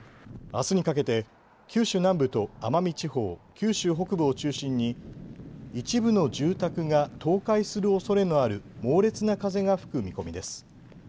あすにかけて九州南部と奄美地方、九州北部を中心に一部の住宅が倒壊するおそれのある猛烈な風が吹く見込みです。